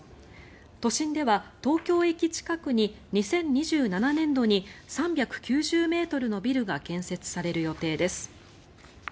都心では東京駅近くに２０２７年度に３９０ｍのビルが建設される予定です。